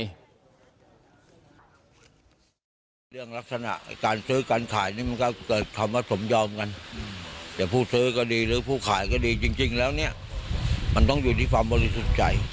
เรื่องลักษณะการซื้อการขายนี่มันก็เกิดคำว่าสมยอมกันแต่ผู้ซื้อก็ดีหรือผู้ขายก็ดีจริงแล้วเนี่ยมันต้องอยู่ที่ความบริสุทธิ์ใจ